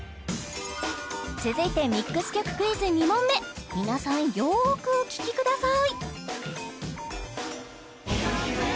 続いてミックス曲クイズ２問目皆さんよくお聴きください